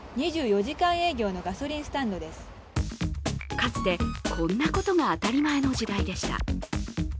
かつて、こんなことが当たり前の時代でした。